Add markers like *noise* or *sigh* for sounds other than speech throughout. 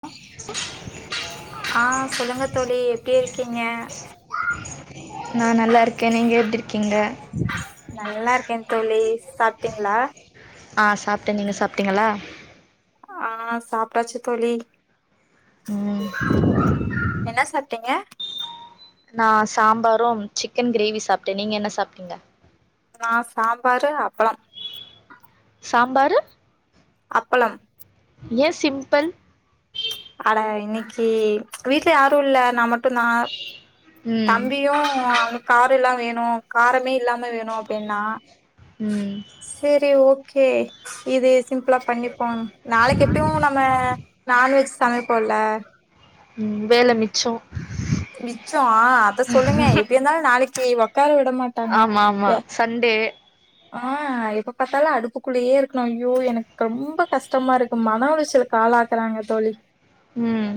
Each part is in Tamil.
ஆ ஆஹ் சொல்லுங்க தோலி எப்டி இருக்கீங்க நா நல்லா இருக்கே நீங்க எப்டி இருக்கீங்க நல்லா இருக்கேன் தோலி சாப்ட்டீங்களா ஆ சாப்ட்டேன் நீங்க சாப்ட்டீங்களா ஆஹ் சாப்ட்டாச்சு தோலி ம் என்ன சாப் ட்டீங்க நான் சாம்பாரும் சிக்கன் கிரேவி சாப்ட்டேன் நீங்க என்ன சாப்ட்டீங்க நான் சாம்பாரு அப்ளோம் சாம்பரு அப்பளம் ஏ சிம்பிள் அட இன்னிக்கு வீட்ல யாரும் இல்ல நான் மட் டும் தான் ம் தம்பியும் அவ கா எல்லாம் வேணும் காரமே இல்லாம வேணும் அப்படின்னா உம் கே சிம்பிளா பண்ணிப்போம் நாளைக்கு எப்பையும் நம்ம நான்வெஜ் எடுப்போம்ல உம் வேலை மிச்சம் மிச்சம் ஆ அத சொல்லுங்க எப்படி இருந்தாலும் நாளைக்கு உக்கார விட மாட்டாங்க ஆமா ஆமா சண்டே ஆஹ் எப்ப பார்த்தாலும் அடுப்புக்குள்ளேயே இருக்கணும் ஐயோ எனக்கு ரொம்ப கஷ்டமா இருக்கு மன உளச்சலுக்கு ஆளாக்குறாங்க தோழி உம்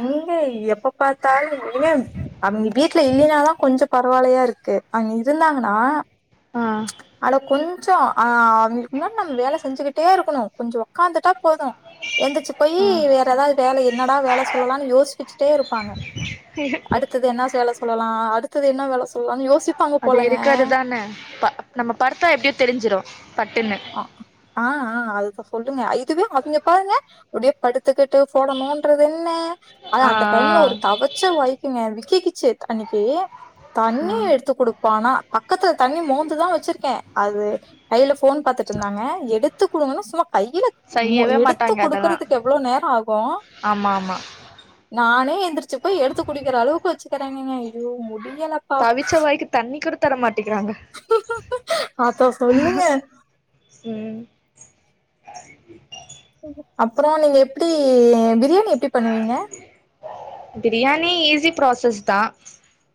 எங்க எப்ப பார்த்தாலும் அவுங்க வீட்டுல இல்லைனாதான் கொஞ்சம் பரவாயில்லையா இருக்கு அங்க இருந்தாங்கன்னா ஆ அட கொஞ் சம் அஹ் அவுங்களுக்கு முன்னாடி நம்ம வேலை செஞ்சுக்கிட்டே இருக்கணும் கொஞ்சம் உட்க்காந்துட்டா போதும் எந்திரச்சி போய் ஆ வேற ஏதாவது வேலை என்னடா வேலை சொல்லலாம்னு யோ யோசிச்சட்டே இருப்பாங்க அடுத்தது என்ன சேலை சொல்லலாம் அடுத்தது என்ன வேலை சொல்லலனு யோசி அது இருகாதுகிறது தானே இப்ப நம்ம படுத்தா எப்படியும் தெரிஞ்சிரும் ஆ ஆஹ் ஆஹ் அதுதான் சொல்லுங்க இதுவே அவுங்க பாருங்க அப்படியே படுத்துக்கிட்டு போடணுநோண்டுறது என்ன ஆ அதான் அந்த டைம்ல ஒரு தவச்ச வாயிக்கு தீ கிச்சு அனைக்கு ஆ ம் தண்ணிய எடுத்து கொடு போனா பக்கத்துல தண்ணி மோந்துதான் வச்சிருக்கேன் அது கையில போன் பார்த்துட்டு இருந்தாங்க எடுத்து த்து கொடுங்க சம்மா கையில செய்யவே எடுத்து மாட்டாங்க அதெல்லா கொடுக்கறதுக்கு எவ்வளோ நேரம் ஆகும் ஆமா ஆமா நானே எந்திரச்சு அப்ப எடுத்து குடிக்கிற அளவுக்கு வச்சுக்கறாங்க ஐயோ முடி தவிச்ச வாய்க்கு தண்ணி கூட தர மாட்ட க்கிறாங்க அத சொல்லுங்க உம் அப்புறம் நீங்க எப்படி பிரியாணி எப்படி பண்ணுவீங்க பிரியாணி ஈசியா பிரசாஸ் தான்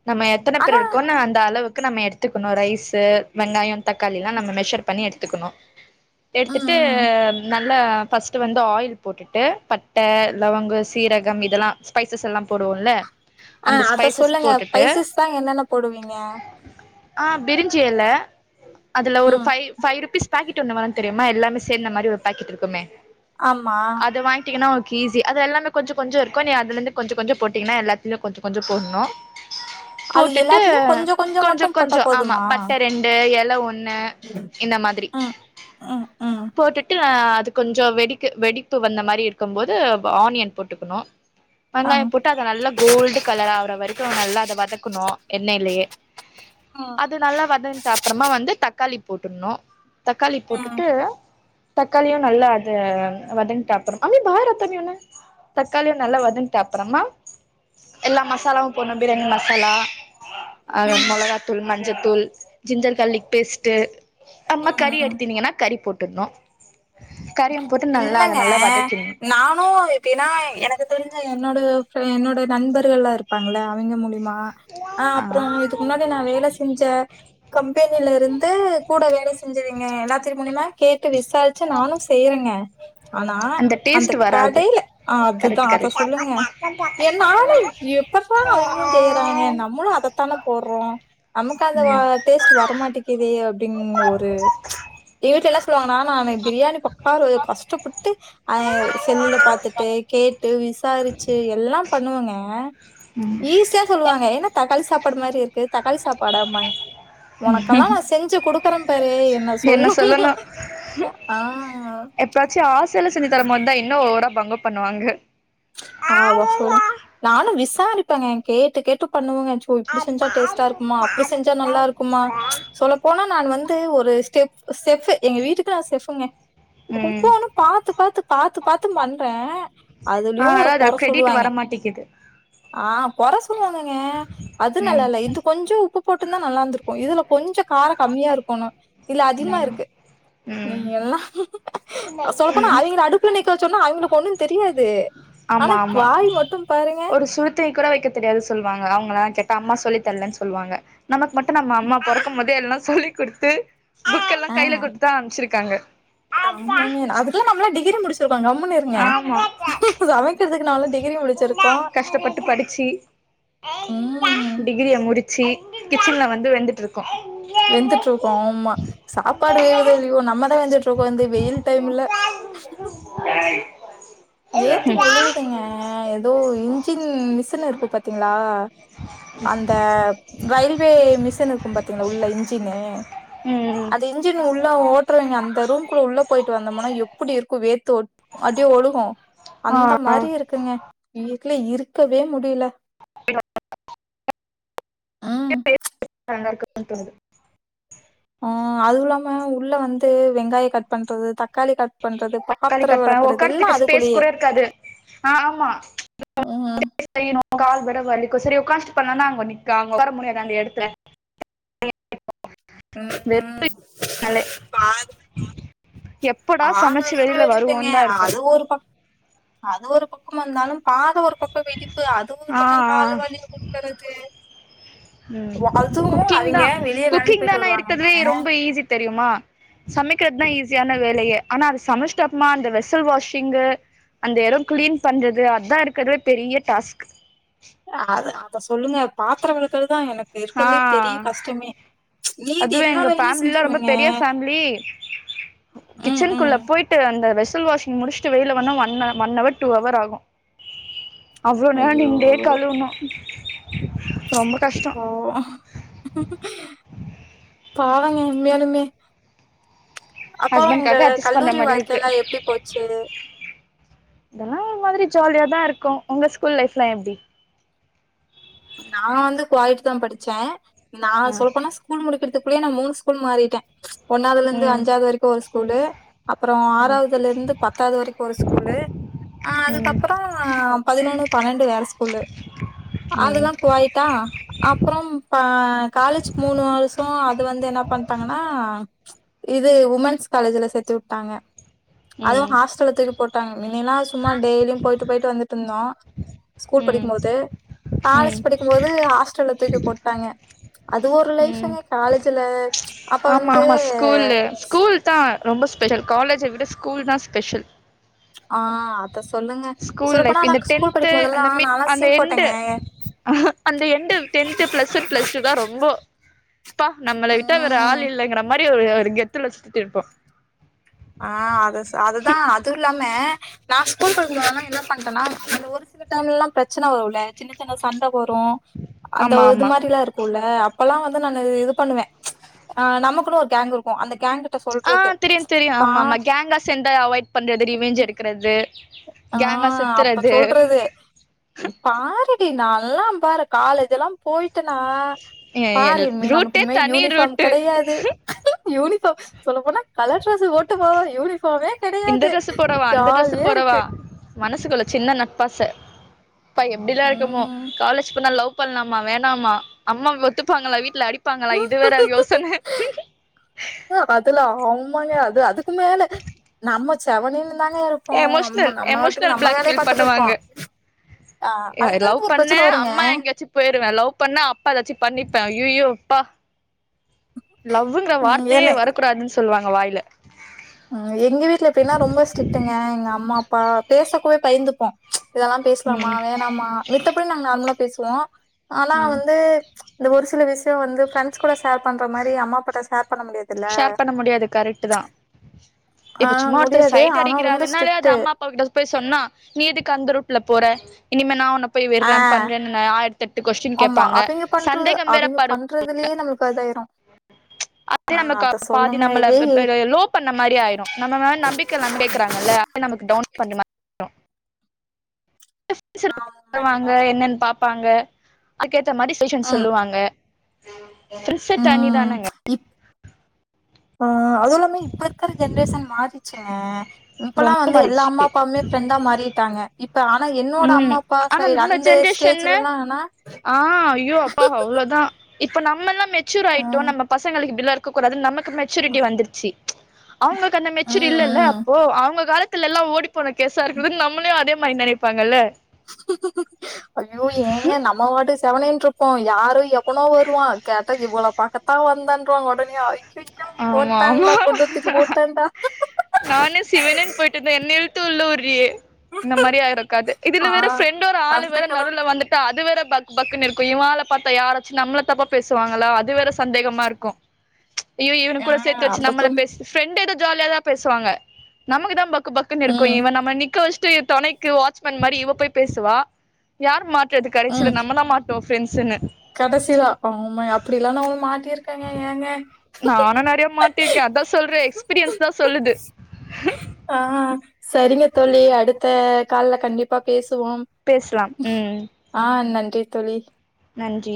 நம்ம எத்தன பேர் ஆனா இருக்கோம்னு அந்த அளவுக்கு நம்ம எடுத்துக்கணும் ரைஸு வெங்காயம் தக்காளி எல்லாம் நம்ம மெஷர் பண்ணி எடுத்துக்கணும் ம் எடுத்துட்டு ம் நல்ல ஃபஸ்ட் வந்து ஆயில் போட்டுட்டு பட்ட லவங்கு சீரகம் இதெல்லாம் ஸ்பைசஸ் எல்லாம் போடுவோம்ல ஆஹ் அத சொல்லுங்க பைசஸ் தான் என்னென்ன போடுவீங்க பிரிஞ்சுஎல அதுல ஒரு ம் ஃபைவ் ருபீஸ் பாக்கெட் ஒன்னு வரு தெரியுமா எல்லாமே சேர்ந்த மாரி ஒரு பாக்கெட் இருக்குமே ஆமா அது வாங்கிட்டீங்கன்னா ஈசி அது எல்லாமே கொஞ்ச கொஞ்சம் இருக்கும் நீ அதுல இருந்து கொஞ்ச கொஞ்சம் போட்டீங்கன்னா எல்லாத்தலயும் கொஞ்ச கொஞ்ச போடணும் அது போட்டுட்டு எல்லாத்துலயு கொஞ்ச கொஞ்ச மட்டு கொஞ்சம் போட்டா கொஞ்சம் ஆமா போதுமா பட்ட ரெண்டு எல ஒண்ணு இந்த மாதிரி ம் ம் ம் போட்டுட்டு அது கொஞ்சம் வெடிக்கு வெடிப்பு வந்த மாரி இருக்கும்போது ஆனியன் போட்டுக்கணும் ஆ வெங்காயம் போட்டு அது நல்லா கோல்டு கலர் ஆவர வரைக்கும் அப்றம் நல்லா அத வதக்கணும் என்னயிலே ம் அது நல்லா வதன்ட்டு அப்புறமா வந்து தக் காளி போட்டுணும் தக்காளி ம் போட்டுட்டு தக்காளியும் நல்லா அத வதங்கிட்டு அப்புறோம் அம்மி பாய ரத்தம ஒன தக்காளியும் நல்லா வதன்ட்டு அப்புறமா எல்லா மசாலாவும் போணும் பிரியாணி மசாலா ம் அஹ் ம் மொளகாத்துள் மஞ்ச ஜ தூள் ஜிஞ்சர் கார்லிக் பேஸ்ட்ட் அம்மா கறி ம் எடுத்தனீங்கன்னா கறி போட்டு ட்டுனு கறியும் இல்லங்க நானும் அப்டினா எனக்கு தெரிஞ்ச என்னோட என்னோட நண்பர்கள் எல்லாம் இருப்பாங்கள அவங்க மூலியமா அஹ் ஆ அப்புறம் இதுக்கு முன்னாடி நான் வேல செஞ்ச கம்பெனில இருந்து கூட வேல செஞ்ச ரிங்க எல்லாதெரு மூலியமா கேட் டு விசாரிச்ச நானும் ங்க ஆனா அந்த டேஸ்ட் வராது கடையில கரெக்ட் அதுதான் அத கரெக்ட் சொல்லுங்க என்னாலும் எப்படுறா அவங்களும் செய்யறாங்க நம்மளும் அதைத்தானே போடுறோம் நமக்கு அந்த வ ம் டேஸ்ட் வரமாட்டேக்குதே அப்படின்னு அப்படினு ஒரு எங்க வீட்டுல என்ன சொல்லுவாங்கன்னா நான் பிரியாணி ப பாரு கஷ்டப்பட்டு அஹ் செல்லுல பாத்துட்டு கேட்டு இ விசாரிச்சு எல்லாம் பண்ணுவங்க ஆ ம் ஈசியா சொல்லுவாங்க ஏன்னா தக்காளி சாப் படு மாரி இருக்கு தக்காளி சாப்பாடம்பாங்க உனக்கெல்லாம் நான் செஞ்சு குடுக்குறன் பாரு என்ன சொல்னும் ஆஹ் எப்பச்சு ஆஸ் த்துல செஞ்சிதர மாரிதான் இன்னும் ஒருவரா பங்க பண்ணுவாங்க ஆஹ் வர்சொல்லு நானும் விசாரிப்பேங்க கேட்டு கேட்டு பண்ணுவங்க அச்சோ இப்டி செஞ்சா டேஸ்ட்டா இருக்குமா அப்டி செஞ்சா நல்லா இருக்குமா சொல்ல போனா நான் வந் த்து ஒரு ஸ்டெப் செஃபு எங்க வீட்டுக்கு நா செஃபு எங்க வீட்டுக்கு நான் செஃப்புங்க ம் ஒவ்வொன்னும் பாத்து பாத்து பாத்து பாத்து பாத்து பண்றேன் ஆஹ் அதாது கிரெடிட் வரமாட்டேக்குது ஆஹ் கொற சொல்லுவ ங்க அது நல்லா ம் இல்ல இது கொஞ்சம் உப்பு போட்டுருந்தா நல்லா இருந்திருக்கும் இதுல கொஞ்சம் காரம் கம்மியா இருக்கணும் இல்ல அதிகமா ம் இருக்கு நீ ம் எல்லாம் சொல்ல போனா அவிங்கல அடுப்புல நிக்க சொன்னா அவங்களுக்கு ஒண்ணும் தெரியாது ஆம்மா ஆனா ஆம்மா வாய் மட்டு பாருங்க ஒரு சுருத்தனி கூட வெக்க தெரியாது சொல்லுவாங்க அவங்கலளான் கெட் அம்மா சொல்லி தரலன்னு சொல்லுவாங்க நமக்கு மட்டும் நம்ம அம்மா பொறக்கும்போதே எல்லாம் சொல்லிக் கொடுத்து புக் எல்லாம் கையல கொடுத்தா அமிச்சிரு க்காங்க ஆம்மாங்க அதுக்கல்லாம் நம்மளாம் டிகிரி முடிச்சிருக்கோங்க கம்முன்னு இரு ஆமா சமைக்கிறதுக்கு நாமல்லாம் டிகிரி முடிச்சிருக்கோம் கஷ்டப்பட்டு படிச்சி உம் முடிச்சு கிச்சன்ல வந்து வெந்துட்டு இரு வெந்துட்டு இருக்கோம் ஆமா சாப்பாடு வேவுதோ இல்லையோ நம்மதான் வெந்துட்டு இருக்கோம் இந்த வெயில் டைம்ல ர்ர் வேத்து ஒழுவுதுங்க ஏதோ இன்ஜின் மிசின் இருக்கு பாத்தீங்களா அந்த ரயில்வே மிஷின் இருக்கும் பாத்தீங்களா உள்ள இன்ஜின்னு ம் அந்த இன்ஜின் உள்ள ஓட்டுறவங்க அந்த ரூம் குள்ள உள்ள போயிட்டு வந்தோமுனா எப்டி இருக்கும் வேர்த்து ஓ அடியே ஒழுக்கும் ஆ அந்த ஆ மாரி இருக்குங்க வெயில் இல்ல இருக்கவே முடில *unintelligible* ம். *unintelligible* ஹம் அதுவும் இல்லாம உள்ள வந்து வெங்காயம் கட் பண்றது தக்காளி கட் பண்றது தக்காளி பாத்திர கட் பண் வெளக்குறது எல்லா உக்காரத்துக்கு ஸ்பேஸ் அதுக்குள்ளயே கூட இருக்காது ஆமா ம் செய்ணும் கால் வெட வேர வலிக்கும் சேரி உக்காந்து *unintelligible* நீக்காங்கோ *unintelligible* எடுத்தன் உம் வெறும்னாலே எப்படா சமைச்சு *unintelligible* வெளியில எடுத்துப்பீங்க வருவோன்னு தான் இருக்கும் அது ஒரு பக் அது ஒரு பக்கம் இருந்தாலும் பாதம் ஒரு பக்கம் வெடிப்பு அது ஒரு ஆ பக்கம் கால் வலிய குடுக்கிறது ம்ம் குக்கிங் தா வெளிய வேலைக்கு குக்கிங போயிட்டு தான் வருவாங்கங்க இருக்குறதிலயே ரொம்ப ஈஸி தெரியுமா சமைக்கிறதுதான் ஈஸியான வேலையே ஆனா அதை சமைச்சிட்டப்பமா அந்த வெசல் வாஷிங்கு அந்த இடம் கிளீன் பண்றது அதுதான் இருக்கரதலே பெரிய டாஸ்க் அ அத சொல்லுங்க பாத்திரம் விளக்குறது தான் எனக்கு இருக்கரதலே பெரிய ஆ கஷ்டமே மீதி அதுவே எல்லா எங்க வேலையுமே ஃபேமிலி எல்லா ரொம்ப செஞ்சுருவங்க பெரிய ஃபேமிலி ம் கிச்சனுக்குள்ள ம் போயிட்டு அந்த வெஸ் வெஸ்ஸல் வாஷிங் முடிச்சிட்டு வெளியே வர ஒன் ஹவர் டூ ஹவர் ஆகும் அவ்ளோ நேரம் ஐயோ நிண்டே கழுவனும் ரொம்ப கஷ்டோ ஓ பாருங்க உண்மையாலுமே அப்போ உங்க ஹஸ்பண்டாக அஸ் பண்ற கல்லூரி மாரி இருக்கு வாழ்க்கையெல்லா எப்டி போச்சு இதெல்லாம் மாரி ஜாலியாதான் இருக்கு உங்க ஸ்கூல் லைஃப்லாம் எப்படி நான் வந்து கோயேட் தான் படிச்சேன் ஆ நான் சொல்ல போனா ஸ்கூல் முடிக்கிறதுக்கு அப்டியே நான் மூணு ஸ்கூல் மாறிட்டேன் ஒன்னாவதுல இருந்து ம் அஞ்சாவது வரைக்கும் ஒரு ஸ்கூல்லு அப்புறம் ஆறாவதுல இருந்து பத்தாவது வரைக்கும் ஒரு ஸ்கூல்லு அஹ் ம் அதுக்கப்புறம் பதினொன்னு பன்னெண்டு வேற ஸ்கூல்லு ம் அதெல்லாம் கோயேயிட்டா அப்புறம் காலேஜு மூணு வருஷம் அது வந்து என்ன பண்ணிட்டாங்கன்னா இது உமென்ஸ் காலேஜ்ல சேர்த்து விட்டாங்க அதுவும் ம் ஹாஸ்டலுக்கு தூக்கி போட்டாங்க *unintelligible* சும் மா டெய்லியும் போயிட்டு போயிட்டு வந்திட்டு இருந்தோம் ஸ்கூல் ம் படிக்கும் போது காலேஜ் ம் படிக்கும் போது ஹாஸ்டல் த்துக்கு போட்டாங்க அது ஒரு ம் லைஃப்ங்க காலேஜ் த்துலே ஆமா ஆமா ஸ்கூல்லு ஸ்கூல் தா ரொம்ப ஸ்பெஷல் காலேஜ விட ஸ்கூல் தா ஸ்பெஷல் ஆஹ் அத சொல்லுங்க ஸ்கூல் சொல்லப்போனா லைஃப் நா இந்த ஸ்கூல் டென்த்து படிக்கும் போதெல்லா அந்த மிட் நாலா அந்த சீன் என்டு போட்டேங்க அந்த என்டு டென்த்துஸ பிளஸ் ஒன் பிளஸ் டூ தா ரொம்போ இப்பா நம்முள விட்ட வேற ம் ஆள் இல்லைங்கிற மாரி அப்டி ஒரு கெத்துல சுத்து இருப்போ ஆஹ் அத சா அதுதா அது இல்லாம நா ஸ்கூல் படிக்கும்போதுலா என்ன பண்டேனா இந்த ஒரு சில டேமுல்லா பிரச்சுன்ன வருல சின்ன சின்ன சண்ட போறோ அந்த ஆமா ஒது ஆமா மாரியில்லா இருக்குல்ல அப்பல்லா வந்து நானு இது பண்ணுவேன் ஆஹ் நமக்குனு ஒரு கேங்கு இருக்கு அந்த கேங்குக் ஆஹ் தெரியும் தெரியு ஆம் ஆமாம்மா கேங்கா சேந்து அவாய்ட் பண்றது ரிவேஞ்ச் எடுக்கிறது ஆஹ் அப்ப சொல்றது பாரு இப்டி நால்லா பாரு காலேஜ் எல்லா போயிட்டனா எ எல் பாரு இன்மே நமக்கு ரூட்டே இனிமே தனி யூனிஃபாம் ரூட்டு கெடையாது யூனிஃபாம் சொல்ல போனா கலர் ட்ரெஸ்சு போட்டு போவாயே யூனிஃப் இப்பவே கெடையாது ஜாலியா இருக் ப்பா மனசுக்குள்ளத் சின்ன நட்பாச ப்ப எப்டிலா இருக்கமோ ம் காலேஜ் போனா லவ் ப் பண்லாமா வேணாமா அம்மா ஒத்துப்பாங்குளா வீட்டுல அடிப் ஹ அதுல ஆமாங்க அது அதுக்கு மேல நம்ம சேவனுமின்ஸ் எமோஷ்னல் எமோஷ்னல் வேலைய பிளாக்மெயில் பாத்துட்டு இருப்போ பண்ணுவாங்க ஆ யார் அங்க லவ் இருந்து ஒரு பண்ண பிரச்சன வருங்க அம்மா எங்காச்சு போயிருவே லவ் பண்ண அப்பா ஏதாச்சு பண்ணிப்பேன் ஐயியோ யுப்பா லவ்வுங்கிற வார்த்தியே வரக்கூடாதுன்னு சொல்லுவாங்க வாய் இல்ல உம் எங்கு வீட்டுல எப்டின்னா ரொம்ப ஸ்ட்டுங்க எங்க அப் அம்மாப்பா பேசக்கூட பயந்துப்போம் இதெல்லாம் பேசலாமா ம் வேணாமா மத்தபடி நாங்க நார்மலா பேசுவோம் ஆனா ஆ வந்து இந்த ஒரு சில விஷயம் வந்து ஃப்ரெண்ட்ஸ் கூட ஷேர் பண்ற மாரி அம்மா அபாட்ட ஷேர் பண்ண முடியாதுல்ல. ஷேர் பண்ண முடியாது கரெக்ட் தான் ஆ இப்ப சும்மா ஒருத்தர் முடியாது. சைட் ஆனா ரொம்ப அடிக்கிறானாலே அது ஸ்ட்ரிக்ட்டு. அம்மா அப்பா கிட்ட போய் சொன்னா நீ எதுக்கு அந்த ரூட்ல போற இனிமே நான் உன்ன போய் ஆ விடுறன் ப ஆயிரத்தி எட்டு கொஸ்டின் ஆமா கேட்பாங்க அவிங்க பண்றது சந்தேகம் அவிங்க வேறப்படுவாங்க பண்றதுலயே நம்மளுக்கு இதாயிரும். ஆ நமக்கு அத பாதி சொல்லுங்க. நம்மள ஏய் லோ பண்ண மாரி ஆயிரும் நம்மமேல நம்பிக்க இல்லையான்னு கேட்கறாங்கல்ல அத நமக்கு டவுன் பண்ண மாரி ரும் ஆமாங்க. வாங்க என்னன்னு பாப் பாங்க அது க்கேத்த மாதிரி சேசன் ம் சொல்லுவாங்க பிர்சட் அனி தானேங்க ஆஹ் அது இல்லாமே இப்ப இருக்கற ஜென்ரேஷன் மாறிச்சுடுங்க இப்பல்லாம் ரொம்ப வந்து எல்லா அம்மா மாறிடுச்சு அப்பவுமேஃப்ரெண்டா மாறிட்டாங்க இ ஆனா என்னோட ம் அம்மா அப்பா ஆனா சைடு நம்ம அந்த ஜென்ரேஷன்னு ஸ்டேஜ்லல்லாம் ஆனா ஆ ஐயோ அப்பா அவ்ளோதா இப்ப நம்மல்லாம் மெச்சூர் ஆ ஆயிட்டோம் நம்ம பசங்களுக்கு பில்ல இருக்ககூடாது நமக்கு மெச்சூரிட்டி ம் வந்துருச்சு அவங்களுக்கு அந்த மெச்சூர் இல்லல்ல ம் அப்போ அவங்க காலத்து க்குலெல்லாம் ஓடி போன கேச இருக்குது நம்மளே அதே மைனனேப் பப்பாங்கல்ல ஐயோ ஏங்க நம்ம பாட்டு செவனேன்றுப்போம் யாரும் எவனோ வருவான் கேட்டா இவள பாக்கத்தான் வந்தன்றாங்க ஒடனே ஐயோ ஆமா போட்டான்ண்டா குண்ட தூக்கி போட்டாண்டா நானே சிவனேனு போயிட்டுருந்தேன் என்ன இழுத்து உள்ள எப்புரி இந்த மாரியா இருக்காது இதுல ஆ வேற ஃப்ரெண்ட்டோட ஒரு ஆள் அந்த வேற கெழம் நடுல வந்துட்டா அது வேற பக் பக்குனு இருக்கும் இவன் ஆலா பாத்தா யாராச்சும் நம்மள தப்பா பேசுவாங்களா அது வேற சந்தேகமா இருக்கும் இவ இவனு ஆ கூட சேர்த்து வச்சு நம்பள அதத்தொன் பேசி ப்ரண்டு ஜாலியாத பேசுவாங்க நமக்கு தான் பக் பக்குனு இருக்கும் ம் இவன் நம்ம நிக்க வச் சுட்டு துணைக்கு வாட்ச்மேன் மாரி இவ போய் பேசுவா யார் மாட் றது அது கடைசில நம்ம தான் மாட்டோம் பிரெண்ஸ்ன்னு கடைசியிலா *unintelligible* அப்டி எல்லாம் நா ஒரு மாட் நானும் நெறைய மாட்டிருக்கேன் அதான் சொல்றேன் எக்ஸ்பீரியன்ஸ் தான் சொல்லுது ஆ சரிங்க தோலி அடுத்த கால்ல கண்டிப்பா பேசு வோம் பேசலாம் ம் ஆஹ் நன் றி தோலி நன்றி